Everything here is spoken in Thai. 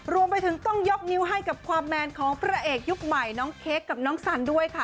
รวมไปถึงต้องยกนิ้วให้กับความแมนของพระเอกยุคใหม่น้องเค้กกับน้องสันด้วยค่ะ